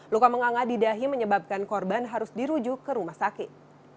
luka menganga di dahi menyebabkan korban harus dirujuk ke rumah sakit